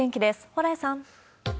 蓬莱さん。